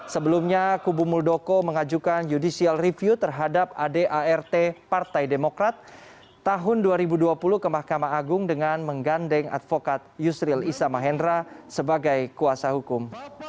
sebelumnya kubu muldoko mengajukan judicial review terhadap adart partai demokrat tahun dua ribu dua puluh ke mahkamah agung dengan menggandeng advokat yusril isamahendra sebagai kuasa hukum